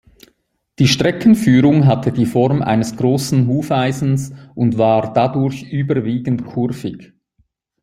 Die Streckenführung hatte die Form eines großen Hufeisens und war dadurch überwiegend kurvig.